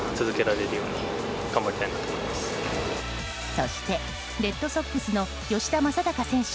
そしてレッドソックスの吉田正尚選手